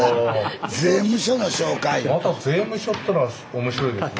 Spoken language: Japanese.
また税務署ってのは面白いですね。